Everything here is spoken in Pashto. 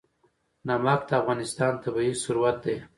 نمک د افغانستان طبعي ثروت دی.